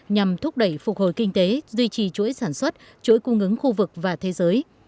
nhằm thúc đẩy phục hồi kinh tế duy trì chuỗi sản xuất chuỗi cung ứng khu vực và thế giới